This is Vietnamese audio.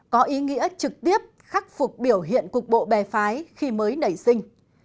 có ý nghĩa trực tiếp khắc phục biểu hiện cục bộ bè phái khi mới nảy sinh